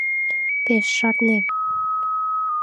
Пеш шарнем.